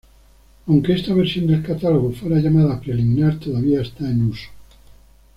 Aunque esta versión del catálogo fuera llamada preliminar, todavía está en uso.